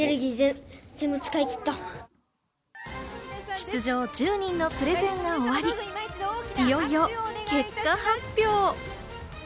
出場１０人のプレゼンが終わり、いよいよ結果発表！